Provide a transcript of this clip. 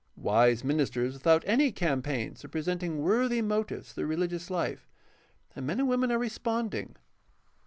Wise ministers without any campaigns are presenting worthy motives for the religious life, and men and women are responding.